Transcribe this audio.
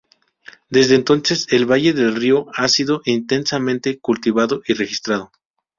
Desde entonces, el valle del río ha sido intensamente cultivado y registrado.